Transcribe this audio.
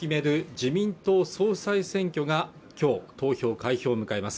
自民党総裁選挙が今日投票開票を迎えます